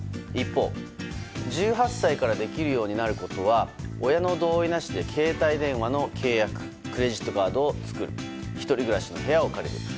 一方、１８歳からできるようになることは親の同意なしで携帯電話の契約クレジットカードを作る１人暮らしの部屋を借りる。